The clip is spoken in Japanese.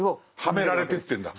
はめられてってるんだ。